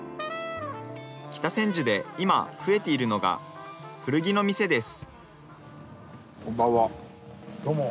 北千住で今増えているのが古着の店です。